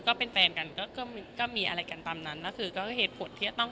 ก็เป็นแฟนกันก็ก็มีอะไรกันตามนั้นแล้วคือก็เหตุผลที่จะต้อง